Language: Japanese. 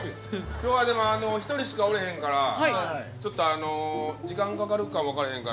今日はでも１人しかおれへんからちょっとあの時間かかるかも分からへんから。